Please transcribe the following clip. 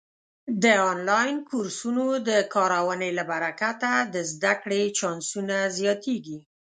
د آنلاین کورسونو د کارونې له برکته د زده کړې چانسونه زیاتېږي.